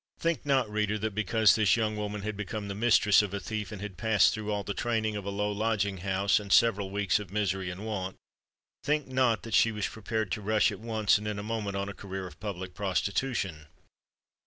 Think not, reader, that because this young woman had become the mistress of a thief, and had passed through all the training of a low lodging house and several weeks of misery and want,—think not that she was prepared to rush at once and in a moment on a career of public prostitution!